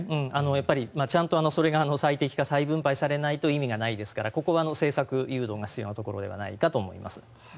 やっぱりそれが最適化再分配されないと意味がないですからここは政策誘導が必要なところではないかと思います。